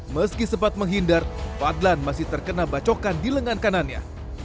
meski sempat menghindar fadlan masih terkena bacokan di lengan kanannya